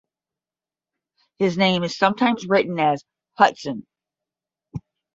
His name is sometimes written as Hudson.